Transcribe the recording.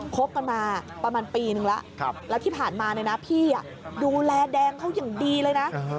คบกันมาประมาณปีนึงแล้วแล้วที่ผ่านมาเนี่ยนะพี่ดูแลแดงเขาอย่างดีเลยนะ